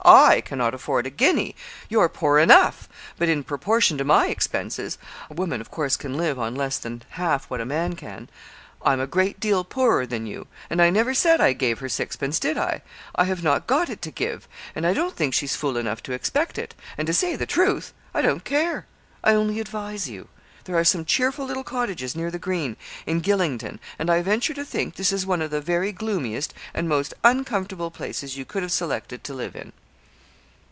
I can't afford a guinea. You're poor enough; but in proportion to my expenses a woman, of course, can live on less than half what a man can I'm a great deal poorer than you; and I never said I gave her sixpence did I? I have not got it to give, and I don't think she's fool enough to expect it; and, to say the truth, I don't care. I only advise you. There are some cheerful little cottages near the green, in Gylingden, and I venture to think, this is one of the very gloomiest and most uncomfortable places you could have selected to live in.'